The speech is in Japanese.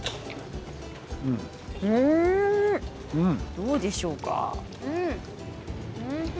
どうでしょうか？